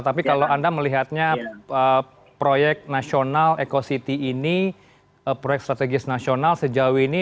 tapi kalau anda melihatnya proyek nasional eco city ini proyek strategis nasional sejauh ini